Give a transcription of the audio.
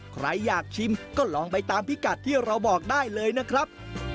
ใครอยากชิมก็ลองไปตามพิกัดที่เราบอกได้เลยนะครับ